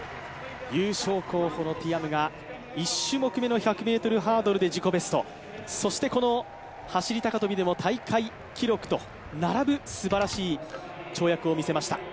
優勝候補のティアムが１種目めのハードルで自己ベストそしてこの走高跳でも大会記録と並ぶすばらしい跳躍を見せました。